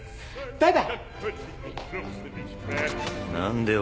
誰だ？